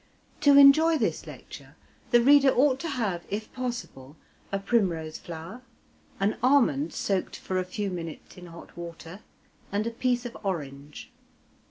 (To enjoy this lecture, the reader ought to have, if possible, a primrose flower, an almond soaked for a few minutes in hot water, and a piece of orange.)